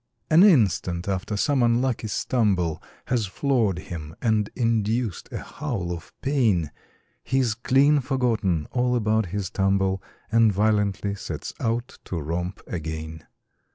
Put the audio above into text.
An instant after some unlucky stumble Has floored him and induced a howl of pain, He's clean forgotten all about his tumble And violently sets out to romp again.